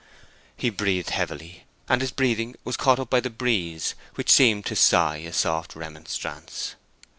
He breathed heavily, and his breathing was caught up by the breeze, which seemed to sigh a soft remonstrance.